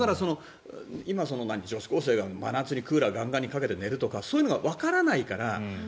今、女子高生が真夏にクーラーかけて寝るとかそういうのがわからないから。